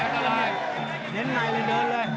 เดินใหม่เร็วเลย